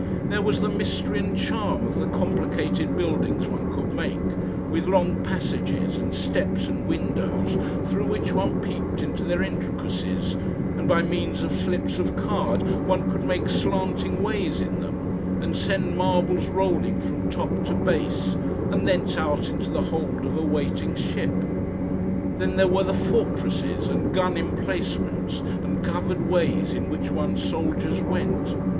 There was the mystery and charm of the complicated buildings one could make, with long passages and steps and windows through which one peeped into their intricacies, and by means of slips of card one could make slanting ways in them, and send marbles rolling from top to base and thence out into the hold of a waiting ship. Then there were the fortresses and gun emplacements and covered ways in which one's soldiers went.